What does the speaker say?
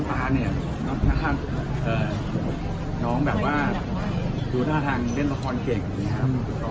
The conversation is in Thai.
น้องน้องน้องน้องน้องแบบว่าดูท่าทางเล่นละครเก่งอย่างนี้ครับ